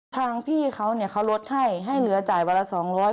ทางพี่เขาเนี่ยเขาลดให้ให้เหลือจ่ายวันละ๒๐๐บาท